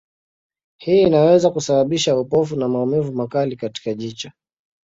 Hii inaweza kusababisha upofu na maumivu makali katika jicho.